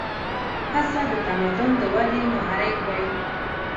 هڅه د تمدن د ودې محرک دی.